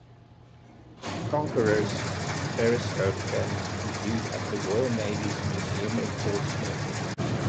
"Conqueror"s periscope can be viewed at the Royal Navy's museum in Portsmouth.